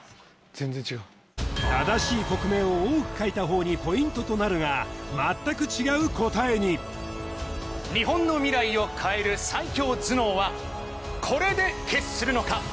・全然違う・正しい国名を多く書いた方にポイントとなるが全く違う答えに日本の未来を変える最強頭脳はこれで決するのか？